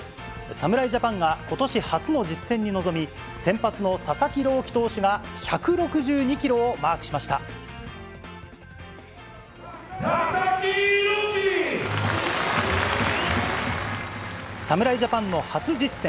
侍ジャパンが、ことし初の実戦に臨み、先発の佐々木朗希投手が、佐々木朗希！侍ジャパンの初実戦。